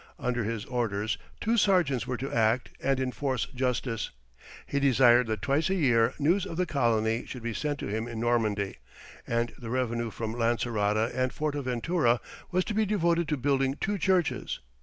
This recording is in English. Under his orders two sergeants were to act, and enforce justice; he desired that twice a year news of the colony should be sent to him in Normandy, and the revenue from Lancerota and Fortaventura was to be devoted to building two churches.